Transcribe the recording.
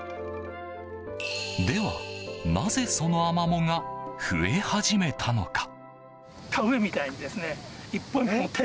では、なぜそのアマモが増え始めたのか？